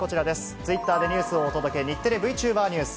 ツイッターでニュースをお届け、日テレＶチューバーニュース。